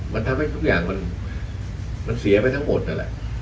มันทำให้ทุกอย่างมันเสียไปทั้งหมดนั่นแหละ